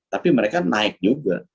tapi mereka naik juga